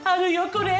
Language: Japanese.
これ。